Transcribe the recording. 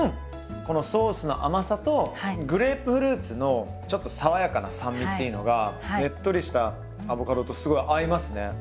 このソースの甘さとグレープフルーツのちょっと爽やかな酸味っていうのがネットリしたアボカドとすごい合いますね！